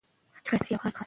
پښتو غیرت دی